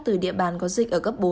từ địa bàn có dịch ở gấp bốn